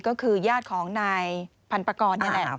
ก็คือยาดของนายพันธุ์ประกอบนี้แหละ